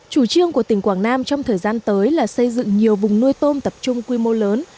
chủ trương của tỉnh quảng nam trong thời gian tới là xây dựng nhiều vùng nuôi tôm tập trung quy mô lớn